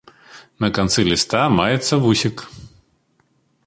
На канцы ліста маецца вусік.